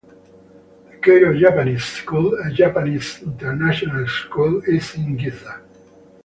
The Cairo Japanese School, a Japanese international school, is in Giza.